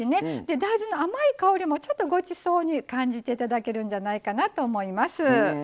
大豆の甘い香りもちょっと、ごちそうに感じていただけるんじゃないかなと思います。